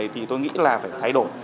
thì tôi nghĩ là phải thay đổi